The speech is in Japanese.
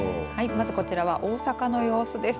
まず、こちらは大阪の様子です。